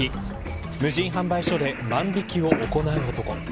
無人販売所で万引を行う男。